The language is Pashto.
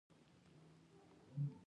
حیوانات ژوند لري.